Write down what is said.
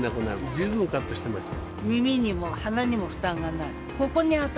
十分カットしてますよ。